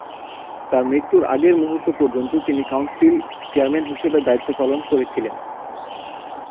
তার মৃত্যুর আগের মুহুর্ত পর্যন্ত তিনি কাউন্সিল চেয়ারম্যান হিসেবে দায়িত্ব পালন করেছিলেন।